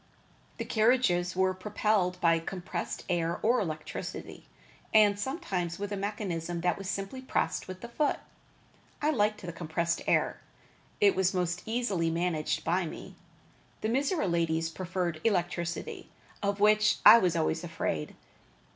The carriages were propelled by compressed air or electricity; and sometimes with a mechanism that was simply pressed with the foot. I liked the compressed air best. It was most easily managed by me. The Mizora ladies preferred electricity, of which I was always afraid.